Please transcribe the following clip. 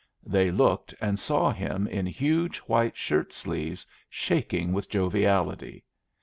They looked, and saw him in huge white shirt sleeves, shaking with joviality.